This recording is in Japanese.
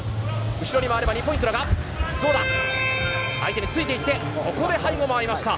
後ろに回れば２ポイントだが相手についていってここで背後に回りました。